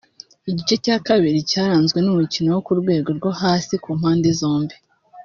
Igice cya kabiri cyaranzwe n’umukino wo ku rwego rwo hasi ku mpande zombi